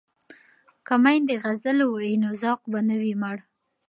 که میندې غزل ووايي نو ذوق به نه وي مړ.